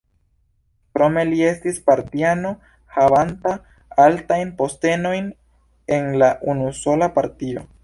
Krome li estis partiano havanta altajn postenojn en la unusola partio.